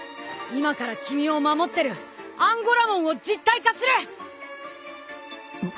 今から君を守ってるアンゴラモンを実体化する！